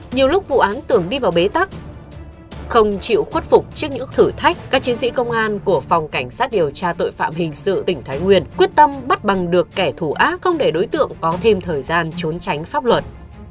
nhiều lúc vụ án tưởng đi vào bế tắc không chịu khuất phục trước những thử thách các chiến sĩ công an của phòng cảnh sát điều tra tội phạm hình sự tỉnh thái nguyên quyết tâm bắt bằng được kẻ thù ác không để đối tượng có thêm thời gian trốn tránh pháp luật